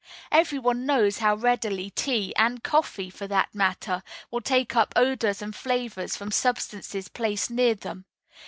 Every one knows how readily tea, and coffee, for that matter, will take up odors and flavors from substances placed near them.